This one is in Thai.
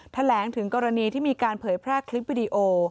แถลงถึงกรณีที่มีการเผยแพร่คลิปวิดีโอ